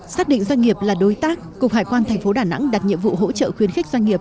xác định doanh nghiệp là đối tác cục hải quan thành phố đà nẵng đặt nhiệm vụ hỗ trợ khuyến khích doanh nghiệp